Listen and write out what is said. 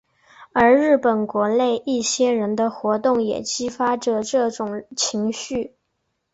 而日本国内一些人的活动也激发着这种情绪。